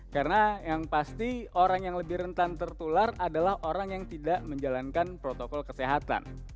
karena yang pasti orang yang lebih rentan tertular adalah orang yang tidak menjalankan protokol kesehatan